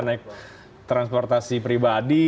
naik transportasi pribadi